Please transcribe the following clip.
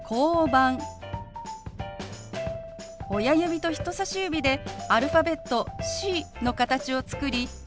親指と人さし指でアルファベットＣの形を作り